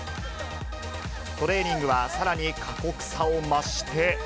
トレーニングはさらに過酷さを増して。